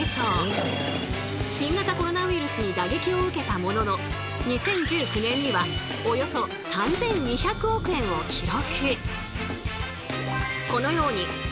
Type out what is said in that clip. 新型コロナウイルスに打撃を受けたものの２０１９年にはおよそ３，２００億円を記録！